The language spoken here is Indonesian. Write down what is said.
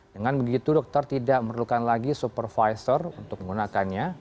dengan begitu dokter tidak memerlukan lagi supervisor untuk menggunakannya